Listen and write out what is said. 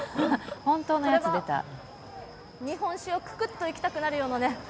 これは、日本酒をくくっといきたくなるようなね